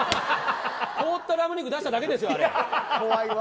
凍ったラム肉出しただけですよ。